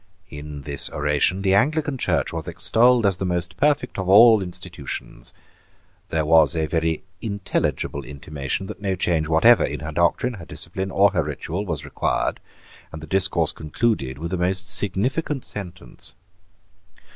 In this oration the Anglican Church was extolled as the most perfect of all institutions. There was a very intelligible intimation that no change whatever in her doctrine, her discipline, or her ritual was required; and the discourse concluded with a most significant sentence.